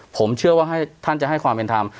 ผมเชื่อว่าท่านจะให้ความเป็นธรรม